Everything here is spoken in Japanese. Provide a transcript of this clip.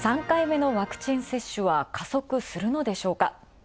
３回目のワクチン接種は、加速するのでしょうか。